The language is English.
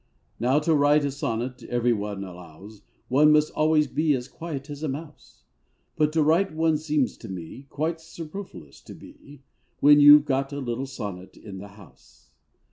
Now, to write a sonnet, every one allows, One must always be as quiet as a mouse; But to write one seems to me Quite superfluous to be, When you 've got a little sonnet in the house.